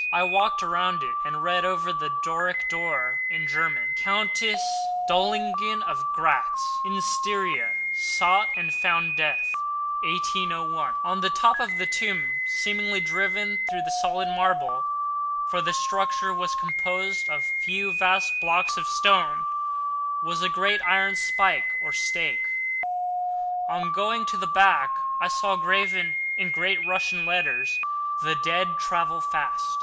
I walked around it, and read, over the Doric door, in German: COUNTESS DOLINGEN OF GRATZ IN STYRIA SOUGHT AND FOUND DEATH 1801 On the top of the tomb, seemingly driven through the solid marble—for the structure was composed of a few vast blocks of stone—was a great iron spike or stake. On going to the back I saw, graven in great Russian letters: "The dead travel fast."